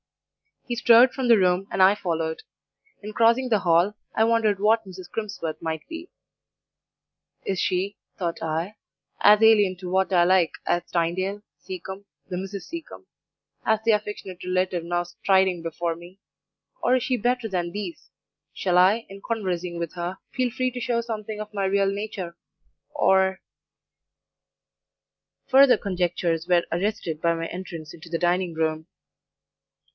"He strode from the room, and I followed. In crossing the hall, I wondered what Mrs. Crimsworth might be. 'Is she,' thought I, 'as alien to what I like as Tynedale, Seacombe, the Misses Seacombe as the affectionate relative now striding before me? or is she better than these? Shall I, in conversing with her, feel free to show something of my real nature; or ' Further conjectures were arrested by my entrance into the dining room.